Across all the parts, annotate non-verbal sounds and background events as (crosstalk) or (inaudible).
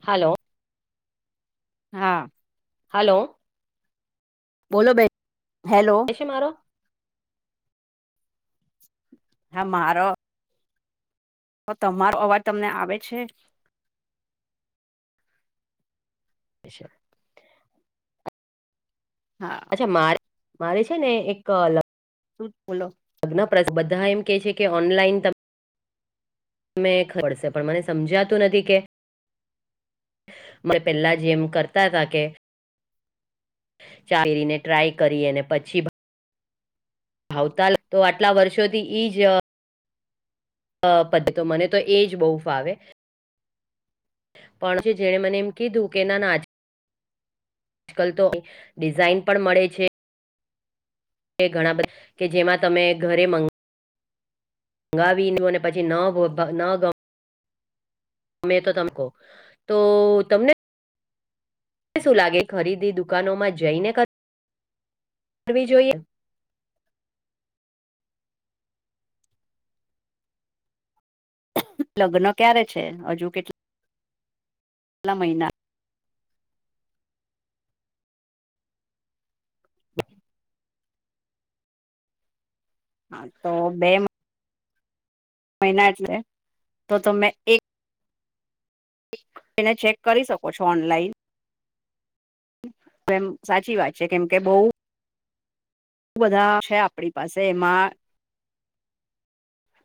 Hello. હા. Hello. બોલો બહેન, હેલો. છે મારો? હા, મારો. તો તમારો અવાજ તમને આવે છે? નિા (unintelligible) હા. મારે મારે છે ને, એક શટ બોલો (unintelligible) લગ્ન પ્રસંગ બધા એમ કે છે કે, ઓનલાઈન તમે તમે ખબર છે, પણ મને સમજાતું નથી કે. મં પહેલા જેમ કરતા હતા કે. ચાલીને ટ્રાય કરીએ, અને પછી આવતા તો આટલા વર્ષોથી ઈજ અ પદ તો મને તો એજ બહુ ફાવે. પણ જેને મને એમ કે કીધુ, ના ના. આજકાલ તો ડિઝાઇન પણ મળે છે. ઘણા બધા કે જેમાં તમે ઘરે મ મંગાવી લેવું, પછી ન બોલતા કે મને ના ગમે. મેં તો તમને તો શું લાગે, ખરીદી દુકાનોમાં જઈને કરવી જોઈએ? લગ્ન ક્યારે છે? હજુ કેટલા? કેટલા મહિના? (unintelligible) હા, તો બે મહિના એટલે તો તમેં એક એટલે ચેક કરી શકો છો, ઓનલાઈન? તો એમ સાચી વાત છે, કેમ કે બહુ બધા છે, આપણી પાસે એમાં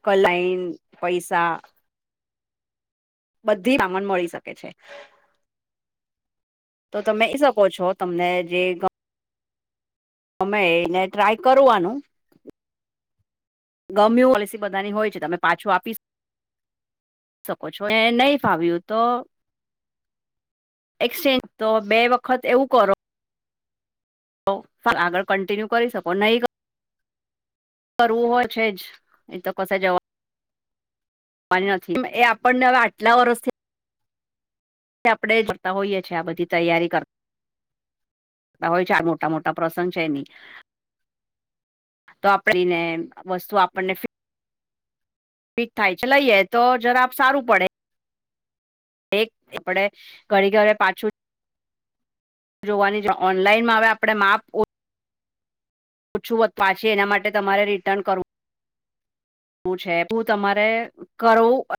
કલાઈન, પૈસા બધી રમણ મળી શકે છે‌. તો તમે એ લઈ શકો છો, તમને જે અમે એને ટ્રાય કરવાનું. રીટન પોલિસી બધાની હોય છે, તો પાછું આપી શકો‌. શકો છો, મે નહીં ફાવ્યું તો. એક્સચેન્જ તો બે વખત એવું કરો. તો આગળ કન્ટિન્યુ કરી શકો નહીં. કરવું હોય છે જ એ તો કશે જવા મારે નથી, એ આપણને હવે આટલા વર્ષથી. આપણેે જતા હોઈએ છીએ, આ બધી તૈયારી કરતા. હોય છે, આ મોટા મોટા પ્રસંગ છે. તો આપણેને વસ્તુ આપણને પીક થાય છે, લઈએે તો જરા આપણે સારું પડે. એક આપડે ઘડી ઘરે પાછું જોવાની છે, ઓનલાઈનમાં હવે આપણે માપ ઓછું પાછી, એના માટે તમારે રિટર્ન કરું. હું છે, હું તમારે કરવું પડે.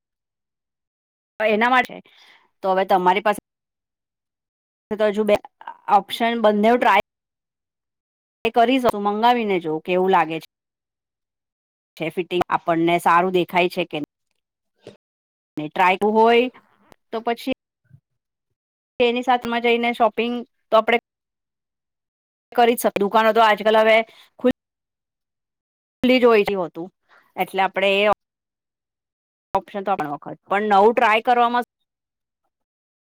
એના માટે, તો હવે તમારી પાસે તો હજુ બે ઓપ્શન બંને ટ્રાય એ કરી શકું મંગાવીને જોવું કે એવું લાગે છે. છે ફિટિંગ આપણને સારું દેખાય છે, કે ટ્રાયું હોય તો પછી તે એની સામાં જઈને શોપિંગ તો આપડે કરી દુકાનો તો આજકાલ હવે ખુ ખલી જો હોય હતું એટલે આપડે એ ઓપ્શન તો આપણી વખત પણ નવું ટ્રાય કરવામાં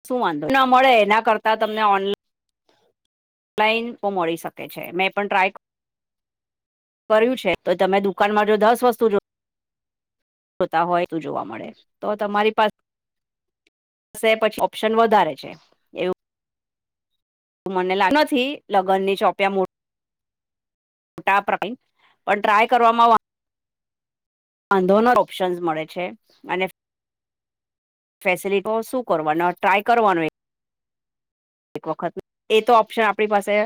શું વાંધો ના મળે એના કરતા તમને ઓનલા લાઈન તો મળી શકે છે મેં પણ ટ્રાય કર કર્યું છે તો તમે દુકાન માં જો દસ વસ્તુ જો જોતા હોય તો જોવા મળે તો તમારી પાસે પછી ઓપ્શન વધારે છે. તું મને લાગ નથી લગ્ન ની ચોપ્યા મો ટા પણ ટ્રાય કરવામાં આંધોનાર ઓપ્શન્સ મળે છે, અને ફેસિલિટી શું કરવાનું ટ્રાય કરવાનું એક વખત એ તો ઓપ્શન આપણી પાસે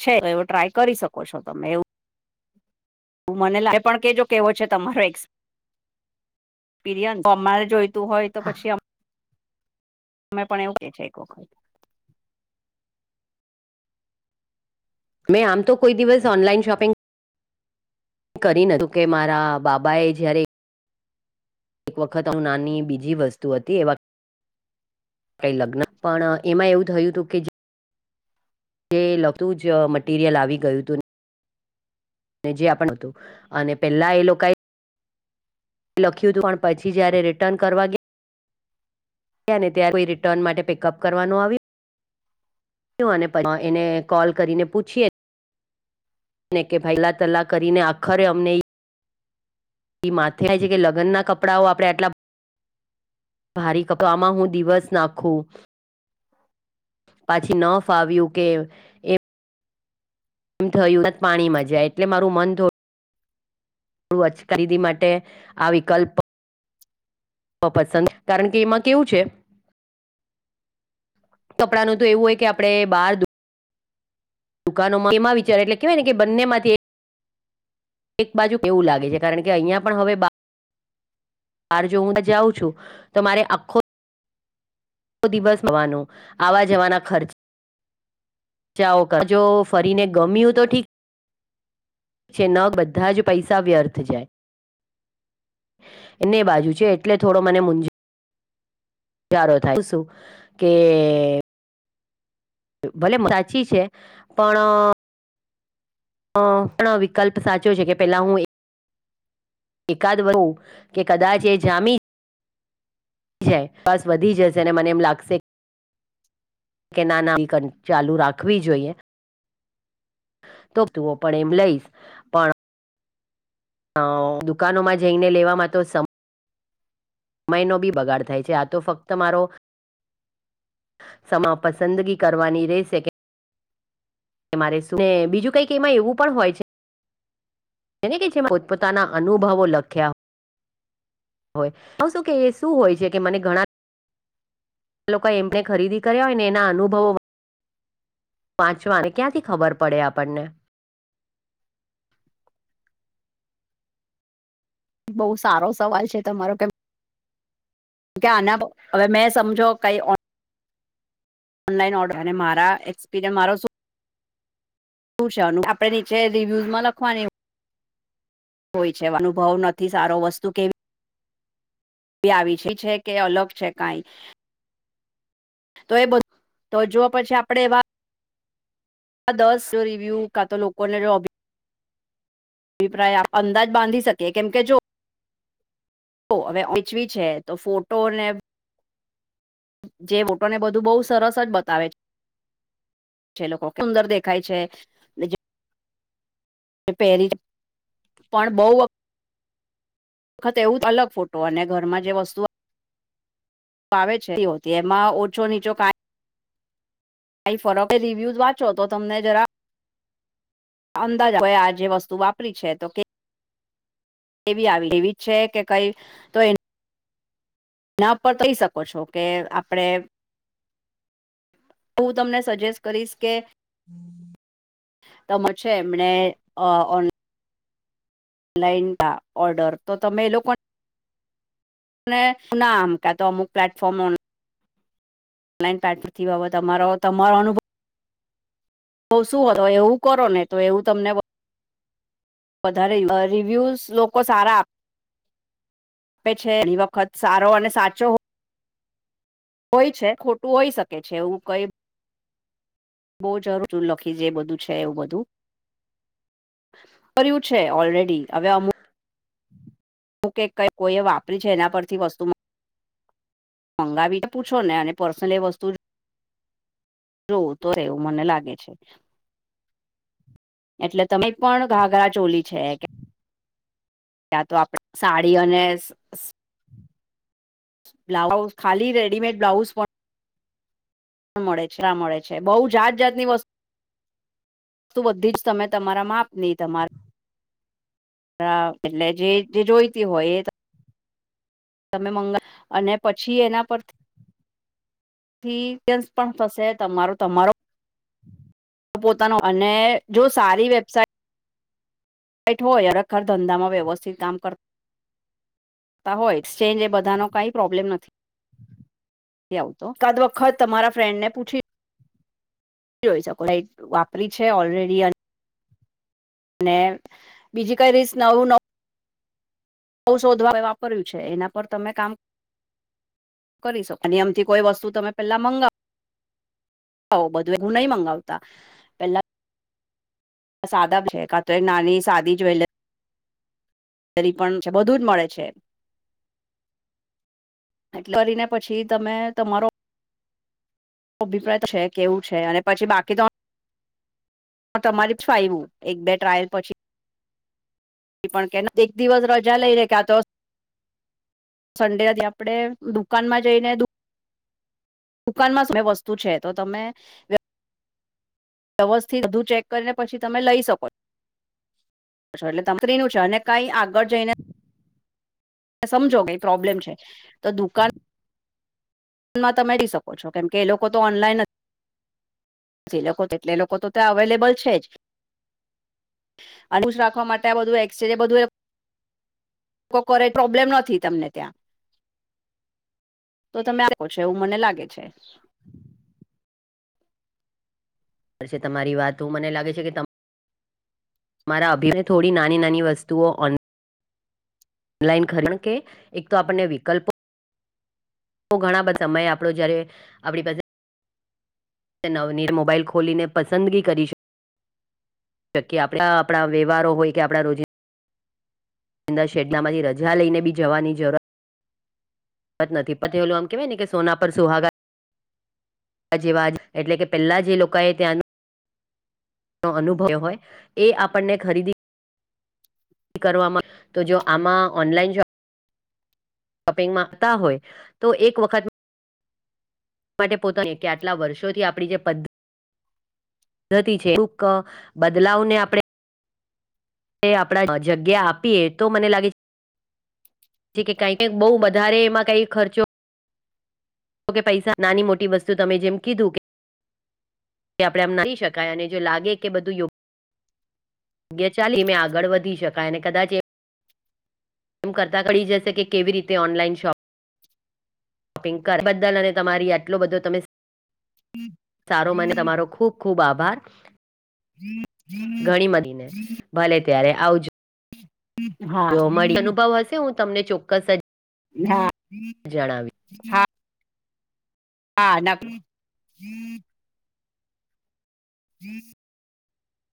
છે તો એવો ટ્રાય કરી શકો છો, તમે એવું મને લાગે પણ કજો કેવો છે, તમારો એક્સપિરિયન્સ અમારે જોઈતું હોય, તો હા, પછી અમે પણ એવું કે છે, એક વખત મેં આમ તો કોઈ દિવસ ઓનલાન શોપિંગ કરીને કે મારા બાબા એ જયારે એક વખત હું નાની બીજી વસ્તુ હતી એ. લગ્ન પણ એમાં એવું થયું હતું કે. જે લતું જ મટીરિયલ આવી ગયું હતું. અને જે આપણ હતું અને પેલા એ લોકો લખ્યું હતું પણ પછી જયારે રિટર્ન કરવા ગયા અને ત્યા્યારે કોઈ રિટર્ન માટે પિકઅપ કરવાનું આવ્ અને પછ એને કોલ કરીને પૂછીએ કે ભાઈ લાતલા કરીને આખરે અમને એ માથે થાય છે કે લગ્ન ના કપડાંઓ આપડણે આટલા ભારી કપડા આમાં હું દિવસ નાખું પાછી ન ફાવ્યું કે એ થયું પાણીમાં જાય એટલે મારુ મન થોડું થ ખરીદી માટે આ વિકલ્પ પસંદ કારણ કે એમાં કેવું છે. કપડાનું તો એવું હોય કે આપડણે બહાર દુકાનોમાં એમાં વિચાર એટલે કેવા ને કે બંને માંથી એક બાજુ એવું લાગે છે કારણ કે અહિયાં પણ હવે બહાર જો હું જાઉં છું તો મારે આખો આખો દિવસ થવાનું આવા જવાના ખર્ચ જાવ જો ફરીને ગમ્યું તો ઠીક છે ન બધા જ પૈસા વ્યર્થ જાય. બને બાજુ છે એટલે થોડો મને મૂજવ વાળો થાય શું કે. ભલે સાચી છે, પણ પણ વિકલ્પ સાચો છે, કે પેલા હું એકાદ વું કે કદાચ એ જામી જાય બસ વધી જશે અને મને એમ લાગશે કે ના ના (unintelligible) ચાલુ રાખવી જોઈએ તો તું પણ એમ લઈશ પણ દુકાનોમાં જઈને લેવામાં તો સમ સમયનો બી બગાડ થાય છે આ તો ફક્ત મારો સમા પસંદગી કરવાની રહેશે મારે શું ને બીજું કઈક એમાં એવું પણ હોય છે જેને કે છેમાં પોતપોતાના અનુભવો લખ્યા હો હ શું કે એ શું હોય છે કે મને ઘણા લોકો એમને ખરીદી કર્યા હોય ને એના અનુભવો વાંચવા અને ક્યાંથી ખબર પડે આપણને બહુ સારો સવાલ છે તમારો કેમ કે આના હવે મેં સમજો કઈ ઓનલાન ઓડ અને મારા એક્સપિરયન્સ મારો શું. શું છેનું આપડે નીચે રિવ્યુઝ માં લખવાની. હોય છે અનુભવ નથી સારો વસ્તુ કેવી બ વિષય છે કે અલગ છે કઈ તો એ બધું તો જો પછી આપડે વા આ દસ જો રિવ્યુ કા તો લોકોને જોભ અભિપ્રાય આપ અંદાજ બાંધી શકીએ કેમ કે જો. તો હવે વેચવી છે તો ફોટો ને. જે વોટોને બધું બહુ સરસ જ બતાવે છે. છે લોકો સુંદર દેખાય છે. પહેરી પણ બહ વખત. વખત એવું જ અલગ ફોટો અને ઘરમાં જે વસ્તુ ઓ આવે છે એ એમાં ઓછો નીચો કાઈ. કઈ ફરક રિવ્યુઝ વાંચો તો તમને જરા. અંદાજવે આ જે વસ્તુ વાપરી છે તો કે. એ આવી એવી છે કે કઈ તો એ. ના પણ કઈ શકો છો કે આપડે. હું તમને સજેસ્ટ કરીશ કે. (inaudible) મ છે એમને ઓન લઈન ઓર્ડર તો તમે એ લોકો. ના અ ક તો અમુ પ્લાટફર્મ નુ. પથી તમારો તમારો અનુભવ તો શું હતો એવું કરો ને તો એવું તમને વધારે રિવ્યુઝ લોકો સારા આપે. આપે છે એ વખત સારો અને સાચો. હોય છે ખોટું હોઈ શકે છે એવું કાઈ. બઉુ જરૂર લખી જે બધું છે એવું બધું. કર્યું છે ઓલરેડી હવે અમુક. હું ક ક કોઈએ વાપરી છે એના પરથી વસ્તુ. મંગાવી પૂછો ને અને પર્સનલ એ વસ્તુ. જોવું તો રહેેવું મને લાગે છે. એટલે તમે પણ ઘાઘરા ચોલી છે. ત્યાં તો આપણે સાડી અને. બ્લાઉ ખાલી રેડીમેડ બ્લાઉઝ પણ. મળે છે મળે છે બહુ જાત જાતની વસ્તુ. તુ બધી જ તમે તમારા માપ નહી તમારે. ન એટલે જે જોઈતી હોય એ. તમે મંગ અને પછી એના પરથી. થી એસ પણ થશે તમારો તમારો. પોતાનો અને જો સારી વેબસાઇટ. ટ હોય રખાતા ધંધામાં વ્યવસ્થિત કામ કર. તા હો એક્સચેન્જ એ બધાનો કાંઈ પ્રોબ્લેમ નથી. આવ તો કાદ વખત તમારા ફ્રેન્ડ ને પૂછી. જોઈ શકો એ વાપરી છે ઓલરેડી અને. અને બીજી કઈ રીસ નવું ન. વુ શોધવા વાપર્યું છે એના પર તમે કામ. કરી શકો અને એમથી કોઈ વસ્તુ તમે પેલા મંગાવ. હો બધુંવું નહી મંગાવતા. પેલા સાદા છે કા તો એક નાની સાદી જ્વેલર રી પણ છે બધું જ મળે છે. એટલે કરીને પછી તમે તમારો અભિપ્રાય છે કેવું છે અને પછી બાકી તો. હ તમારી છું આવું એક બે ટ્રાયલ પછી. પણ કે એક દિવસ રજા લઈનેે કે આ તો. સંડેથી આપડે દુકાન માં જઈને દુ દુકાનમાં વસ્તુ છે તો તમે વ્યવસ્થિત બધું ચેક કરીને પછી તમે લઈ શકો છો એટલે તમત્રી નું છે અને કઈ આગળ જઈને સમજો કઈ પ્રોબ્લેમ છે તો દુકાન માં મેડી શકો છો કેમ એ લોકો તો ઓનલાઈન જ એટલે લોકો તો ત્યાં અવેલેબલ છે જ અનુસ રાખવા માટે આ બધું એક્સચેન્ બધું પ્રોબ્લેમ નથી તમને ત્યા તમે છે એવું મને લાગે છે પછી તમારી વાતો હ મને લાગે છે કે તમ મારા અભિને થોડી નાની નાની વસ્તુઓ ઓનલાઇન ખરણ કે એક તો આપણને વિકલ્પો તો ઘણા બધા સમયે આપડો જયારે આપણી પાસે તે નવનીત મોબાઈઇલ ખોલીને પસંદગી કરી છે કે આપ આપણા વ્યવહાર હોય કે આપણા રોજ દા શેડલામાંથી રજા લઈને બી જવાની જરૂરત નથી પટેલું આમ કેવા ને કે સોના પર સુહાગા જેવા એટલે કે પેલા જે લોકો એ ત્યાં અનુભવ હોય એ આપણને ખરીદી કરવામાં જો આમાં ઓનલાઇન શપિંગમાં કા હોય તો એક વખત માટે પોતાની કે આટલા વર્ષોથી આપણી જે પદ્ પદ્ધતિ છે અમુક બદલાવને આપણે આપ જગ્યા આપીએ તો મને લાગે છે જે કે કઈક કક બહુ વધારે એમાં કઈ ખર્ચો જોકે પૈસા નાની મોટી વસ્તુ તમે જેમ કીધું કે તે આપડે એમ નાખી શકાય અને જો લાગે કે બધું યોગ જગ્યા ચાલી એ આગળ વધી શકાય અને કદાચ એ એ કરતા કડી જશે કેવી રીતે ઓનલાઈન શોપ શોપિંગ કર બદલ અને તમારી આટલો બધો તમે હમ્મ સારો મને તમારો ખુબ ખુબ આભાર ઘણી બધીને ભલે ત્યારે આવજો (inaudible) હા જોવા મળી અનુભવ હશે હું તમને ચોક્કસ જ હા જણાવી હા હા ના જીસ